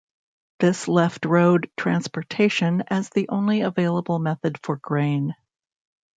This left road transportation as the only available method for grain.